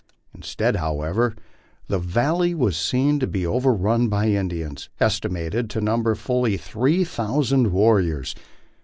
Instead, however, the valley was seen to be overrun by Indians, estimated to number fully three thousand warriors.